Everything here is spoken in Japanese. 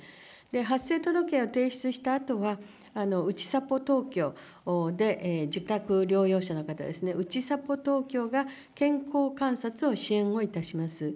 発生届を提出したあとは、うちさぽ東京で自宅療養者の方ですね、うちさぽ東京が健康観察を支援をいたします。